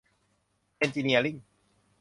เอนจิเนียริ่ง